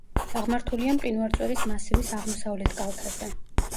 აღმართულია მყინვარწვერის მასივის აღმოსავლეთ კალთაზე.